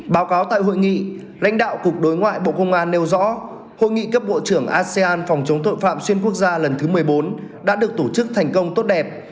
báo cáo tại hội nghị lãnh đạo cục đối ngoại bộ công an nêu rõ hội nghị cấp bộ trưởng asean phòng chống tội phạm xuyên quốc gia lần thứ một mươi bốn đã được tổ chức thành công tốt đẹp